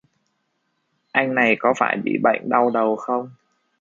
Anh này có phải bị bệnh đau đầu không